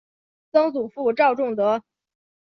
曾祖父赵仲德。